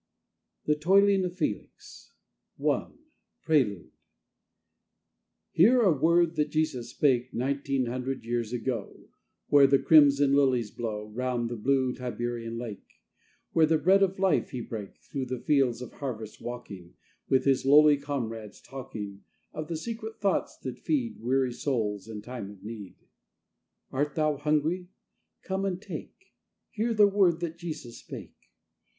THE TOILING OF FELIX I PRELUDE Hear a word that Jesus spake Nineteen hundred years ago, Where the crimson lilies blow Round the blue Tiberian lake: There the bread of life He brake, Through the fields of harvest walking With His lowly comrades, talking Of the secret thoughts that feed Weary souls in time of need. Art thou hungry? Come and take; Hear the word that Jesus spake!